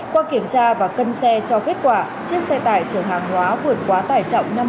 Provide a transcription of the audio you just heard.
qua kiểm tra và cân xe cho kết quả chiếc xe tải chở hàng hóa vượt quá tải trọng năm mươi ba